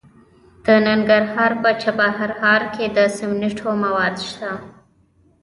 د ننګرهار په چپرهار کې د سمنټو مواد شته.